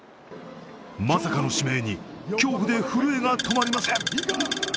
まさかの指名に恐怖で震えが止まりません。